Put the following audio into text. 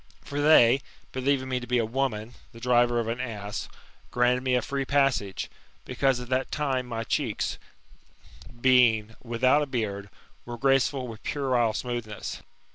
For they, believing me to be a woman, the driver of an ass. granted me a free passage ; because at that time my cheeks, being without a heard, were graceful with puerile smoothness.